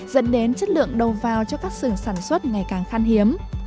dẫn đến chất lượng đầu vào cho các sường sản xuất ngày càng khăn hiếm